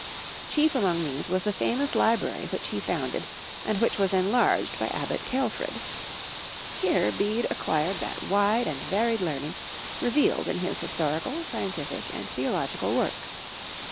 Chief among these was the famous library which he founded and which was enlarged by Abbot Ceolfrid. Here Bede acquired that wide and varied learning revealed in his historical, scientific, and theological works.